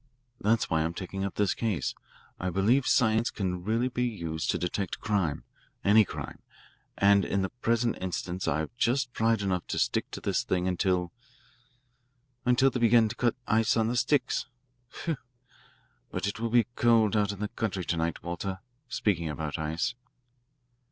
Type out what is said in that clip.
That's why I'm taking up this case. I believe science can really be used to detect crime, any crime, and in the present instance I've just pride enough to stick to this thing until until they begin to cut ice on the Styx. Whew, but it will be cold out in the country to night, Walter speaking about ice.